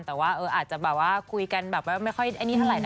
แต่ว่าอาจจะแบบว่าคุยกันแบบว่าไม่ค่อยอันนี้เท่าไหนะ